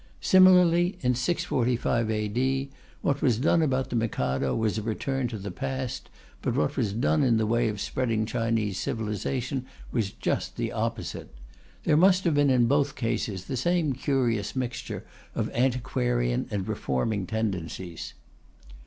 Similarly, in 645 A.D., what was done about the Mikado was a return to the past, but what was done in the way of spreading Chinese civilization was just the opposite. There must have been, in both cases, the same curious mixture of antiquarian and reforming tendencies.